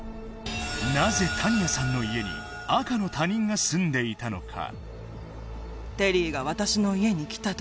なぜタニアさんの家に赤の他人が住んでいたのか？